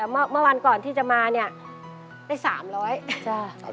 เมื่อวันก่อนที่จะมาเนี่ยได้๓๐๐บาท